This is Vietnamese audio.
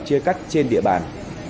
chia cắt trên địa bàn